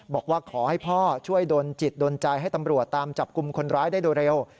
บอกว่าขอให้พ่อช่วยดนจิตโดนใจให้ตำรวจตามจับกลุ่มคนร้ายได้โดยเร็ว